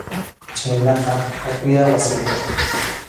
Chhaynaqa hakuyá wasiyta.